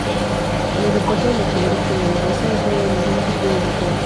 El aeropuerto de la ciudad finlandesa es uno de los más activos del país.